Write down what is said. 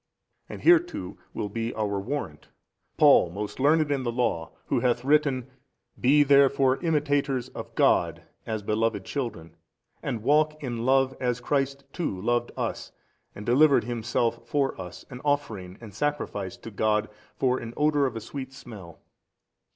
And hereto will be our warrant Paul most learned in the law, who hath written, Be therefore imitators of God as beloved children, and walk in love as Christ too loved us and delivered Himself for us an offering and sacrifice to God for an odour of a sweet smell.